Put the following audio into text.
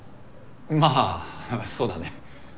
まあそうだね。